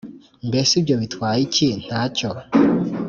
Mbese ibyo bitwaye iki Nta cyo